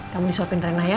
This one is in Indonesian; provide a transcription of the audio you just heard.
kamu disopin renah ya